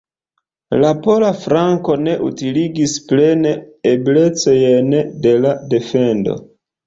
La pola flanko ne utiligis plene eblecojn de la defendo.